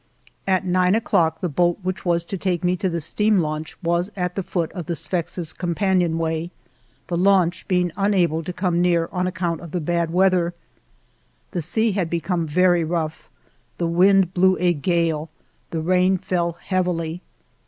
At nine o'clock the boat which was to take me to the steam launch was at the foot of the Sfax's companion way, the launch being un able to come near on account of the bad weather. The sea had become very rough, the wind blew a gale, the rain fell heavily.